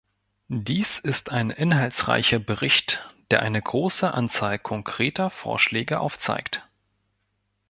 Dies ist ein inhaltsreicher Bericht, der eine große Anzahl konkreter Vorschläge aufzeigt.